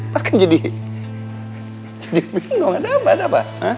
mas kan jadi bingung ada apa